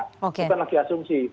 bukan lagi asumsi